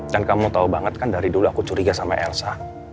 dan kamu tau banget kan dari dulu aku curiga sama elsa